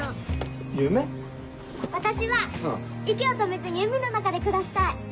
私は息を止めずに海の中で暮らしたい。